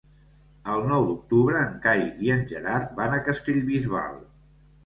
El nou d'octubre en Cai i en Gerard van a Castellbisbal.